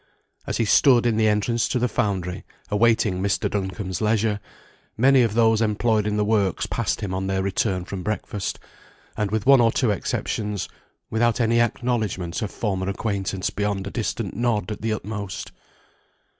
As he stood in the entrance to the foundry, awaiting Mr. Duncombe's leisure, many of those employed in the works passed him on their return from breakfast; and with one or two exceptions, without any acknowledgment of former acquaintance beyond a distant nod at the utmost.